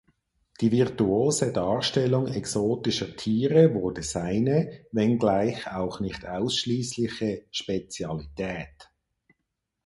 Die virtuose Darstellung exotischer Tiere wurde seine, wenngleich auch nicht ausschließliche, Spezialität.